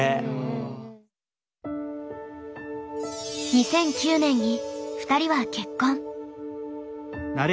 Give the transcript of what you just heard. ２００９年に２人は結婚。